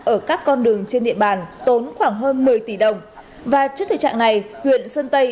ở các con đường trên địa bàn tốn khoảng hơn một mươi tỷ đồng và trước thực trạng này huyện sơn tây